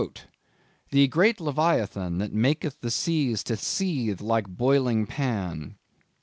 "The great Leviathan that maketh the seas to seethe like boiling pan."